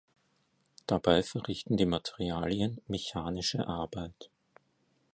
Dabei verrichten die Materialien mechanische Arbeit.